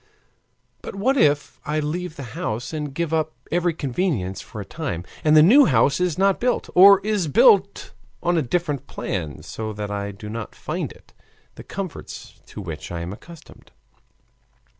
"But what if I leave the house and give up every convenience for a time, and the new house is not built, or is built on a different plan so that I do not find in it the comforts to which I am accustomed?"